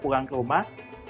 pulang ke rumah